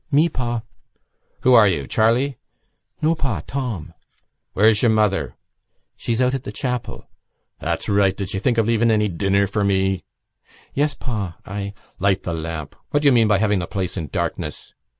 "Me, pa." "Who are you? Charlie?" "No, pa. Tom." "Where's your mother?" "She's out at the chapel." "That's right.... Did she think of leaving any dinner for me?" "Yes, pa. I——" "Light the lamp. What do you mean by having the place in darkness?